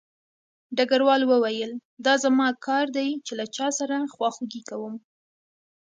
ډګروال وویل دا زما کار دی چې له چا سره خواخوږي کوم